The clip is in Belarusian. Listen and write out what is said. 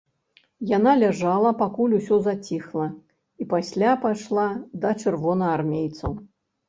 Яна ляжала, пакуль усё заціхла, і пасля пайшла да чырвонаармейцаў.